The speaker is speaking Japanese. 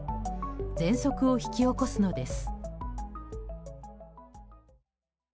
ぜんそくを引き起こすのです。